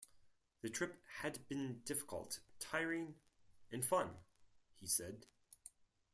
"The trip had been difficult, tiring and fun," he said.